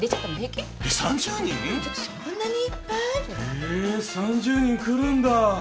へえ３０人来るんだ。